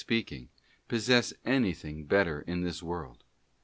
speaking, possess anything better in this world.